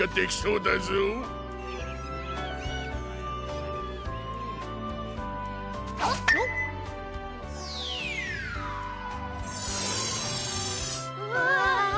ううわあ。